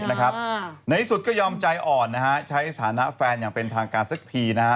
ในที่สุดก็ยอมใจอ่อนนะฮะใช้สถานะแฟนอย่างเป็นทางการสักทีนะฮะ